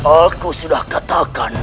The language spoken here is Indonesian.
aku sudah katakan